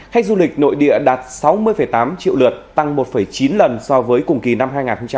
khách du lịch nội địa đạt sáu mươi tám triệu lượt tăng một chín lần so với cùng kỳ năm hai nghìn một mươi tám